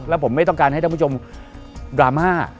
แล้วผมไม่ต้องการให้ท่านผู้ชมดราม่า